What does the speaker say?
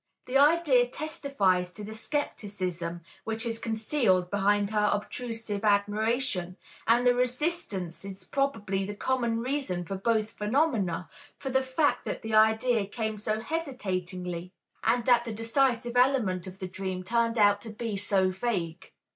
The idea testifies to the scepticism which is concealed behind her obtrusive admiration, and the resistance is probably the common reason for both phenomena, for the fact that the idea came so hesitatingly and that the decisive element of the dream turned out to be so vague.